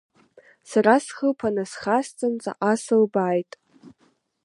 Сара схылԥа насхасҵан, ҵаҟа сылбааит.